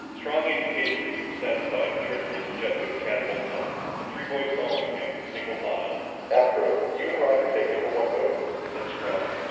Strong indicated that he was satisfied and turned toward the jet boat catapult deck, the three boys following him in single file. "Astro, you and Roger take number one boat," said Strong.